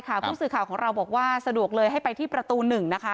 ผู้สื่อข่าวของเราบอกว่าสะดวกเลยให้ไปที่ประตู๑นะคะ